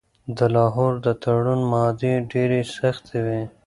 د لاهور د تړون مادې ډیرې سختې وې.